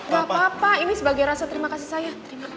gak apa apa ini sebagai rasa terima kasih saya